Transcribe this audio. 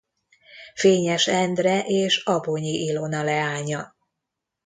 Fényes Endre és Abonyi Ilona leánya.